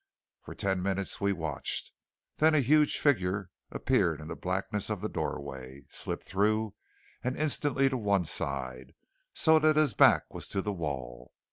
For ten minutes we watched. Then a huge figure appeared in the blackness of the doorway, slipped through, and instantly to one side, so that his back was to the wall.